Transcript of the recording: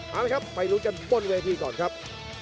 เอาละครับไปลุ้นกันบนเวทีก่อนครับ